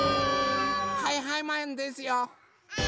はいはいマンですよ。